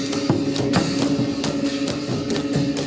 สวัสดีสวัสดี